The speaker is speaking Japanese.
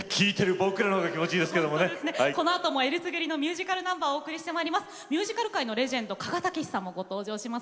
このあともえりすぐりのミュージカルナンバーをお届けします。